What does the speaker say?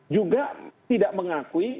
juga tidak mengakui